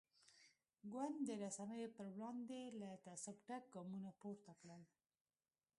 ګوند د رسنیو پر وړاندې له تعصب ډک ګامونه پورته کړل.